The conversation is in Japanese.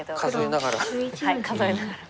はい数えながら。